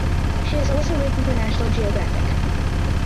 She has also written for National Geographic.